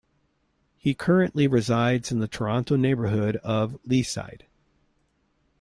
He currently resides in the Toronto neighbourhood of Leaside.